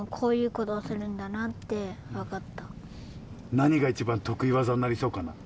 何が一番得意技になりそうかな？